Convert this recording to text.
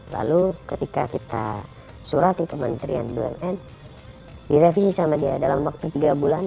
lalu ketika kita surati kementerian bumn direvisi sama dia dalam waktu tiga bulan